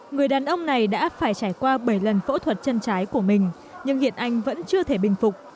người đàn ông này đã phải trải qua bảy lần phẫu thuật chân trái của mình nhưng hiện anh vẫn chưa thể bình phục